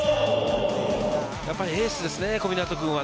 やっぱりエースですね、小湊君は。